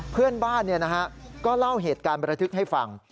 เพื่อนบ้านก็เล่าเหตุการณ์ประทึกให้ฟัง